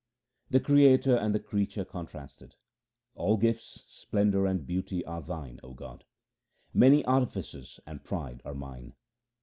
The Creator and the creature contrasted :— All gifts, splendour, and beauty are Thine, O God ; Many artifices and pride are mine.